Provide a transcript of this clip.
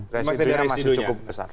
residunya masih cukup besar